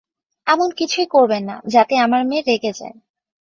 এমন কিছুই করবেন না, যাতে আমার মেয়ে রেগে যায়।